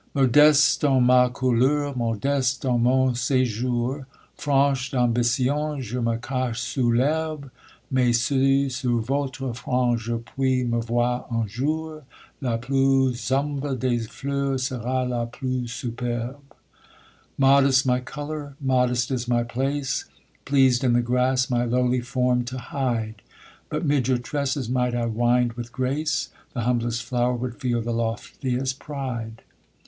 Modeste en ma couleur, modeste en mon séjour, Franche d'ambition, je me cache sous l'herbe; Mais, si sur votre front je puis me voir un jour, La plus humble des fleurs sera la plus superbe. Modest my colour, modest is my place, Pleased in the grass my lowly form to hide; But mid your tresses might I wind with grace, The humblest flower would feel the loftiest pride.